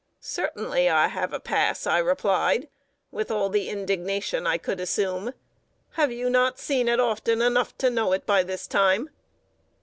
"Certainly, I have a pass," I replied, with all the indignation I could assume. "Have you not seen it often enough to know by this time?"